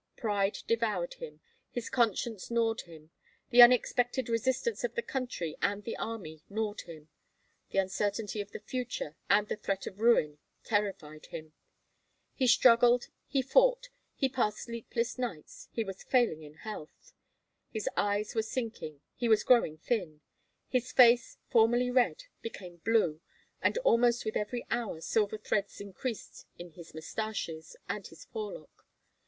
Pride devoured him, his conscience gnawed him, the unexpected resistance of the country and the army gnawed him; the uncertainty of the future, and the threat of ruin terrified him. He struggled, he fought, he passed sleepless nights, he was failing in health. His eyes were sinking, he was growing thin; his face, formerly red, became blue, and almost with every hour silver threads increased in his mustaches and his forelock.